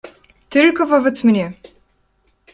Tylko wobec mnie.